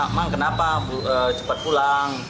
emang kenapa cepat pulang